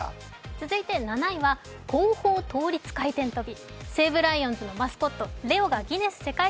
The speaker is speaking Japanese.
続いて７位は後方倒立回転跳び。